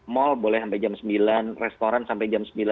mall boleh sampai jam sembilan restoran sampai jam sembilan